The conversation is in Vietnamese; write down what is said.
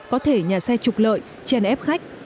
có thể nhà xe trục lợi chen ép khách